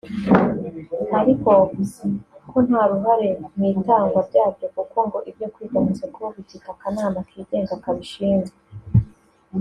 ariko ko nta ruhare mu itangwa ryaryo kuko ngo ibyo kwiga amasoko bifite akanama kigenga kabishinzwe